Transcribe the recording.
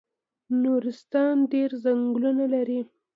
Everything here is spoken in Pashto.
نورستان ډیر ځنګلونه لري